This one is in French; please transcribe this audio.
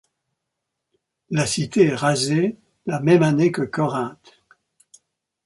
La cité est rasée la même année que Corinthe.